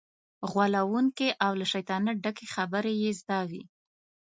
غولونکې او له شیطانت ډکې خبرې یې زده وي.